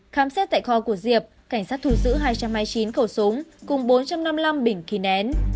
khám xét tại kho của diệp cảnh sát thu giữ hai trăm hai mươi chín khẩu súng cùng bốn trăm năm mươi năm bình kỳ nén